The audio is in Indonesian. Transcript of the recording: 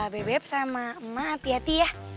bebep sama emak hati hati ya